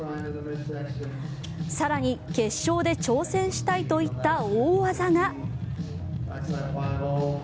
更に、決勝で挑戦したいといった大技が。